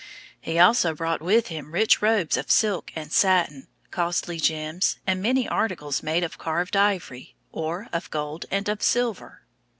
He also brought with him rich robes of silk and satin, costly gems, and many articles made of carved ivory, or of gold and of silver.